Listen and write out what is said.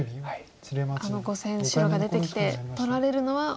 あの５線白が出てきて取られるのは大きい。